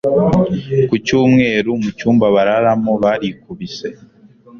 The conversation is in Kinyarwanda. Ku cyumweru mu cyumba bararamo barikubise